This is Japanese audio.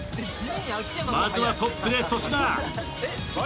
まずはトップで粗品。